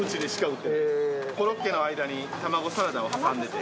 コロッケの間に卵サラダを挟んでて。